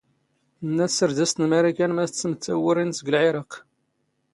ⵜⵏⵏⴰ ⵜⵙⵔⴷⴰⵙⵜ ⵏ ⵎⴰⵔⵉⴽⴰⵏ ⵎⴰⵙ ⵜⵙⵎⴷ ⵜⴰⵡⵓⵔⵉ ⵏⵏⵙ ⴳ ⵍⵄⵉⵔⴰⵇ.